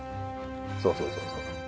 そうそうそうそう。